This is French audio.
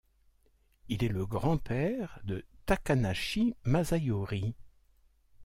Il est le grand-père de Takanashi Masayori.